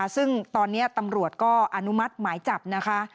ซึ่งตอนนี้ตำรวจก็อนุมัติหมายจับนะคะ